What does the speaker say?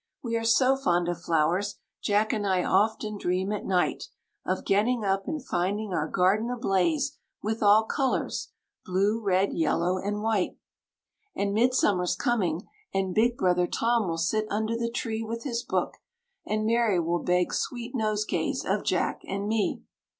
We are so fond of flowers, Jack and I often dream at night Of getting up and finding our garden ablaze with all colours, blue, red, yellow, and white. And Midsummer's coming, and big brother Tom will sit under the tree With his book, and Mary will beg sweet nosegays of Jack and me.